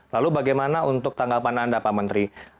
lalu bagaimana untuk tanggapan anda pak menteri